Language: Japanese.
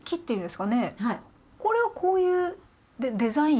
これはこういうデザイン？